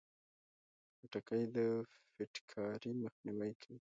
خټکی د فټکاري مخنیوی کوي.